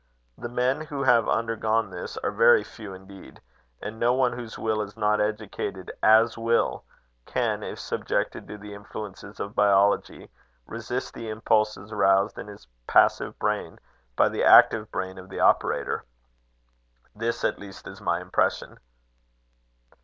The men who have undergone this are very few indeed; and no one whose will is not educated as well, can, if subjected to the influences of biology, resist the impulses roused in his passive brain by the active brain of the operator. This at least is my impression.